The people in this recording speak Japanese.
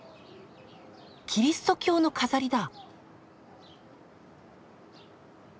キリスト教の飾りだ。